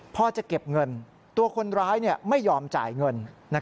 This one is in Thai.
พอจะเก็บเงินตัวคนร้ายไม่ยอมจ่ายเงิน